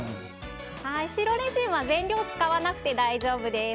白レジンは全量使わなくて大丈夫です。